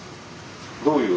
どういう？